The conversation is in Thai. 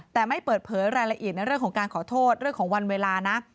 แต่ไม่เปิดเผยรายละเอียดในเรื่องของการขอโทษเรื่องของวันเวลานะ